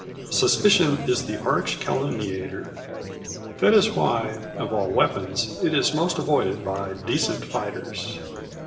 Suspicion is the arch calumniator. That is why, of all weapons, it is most avoided by decent fighters.